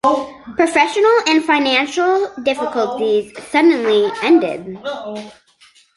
Professional and financial difficulties suddenly ended.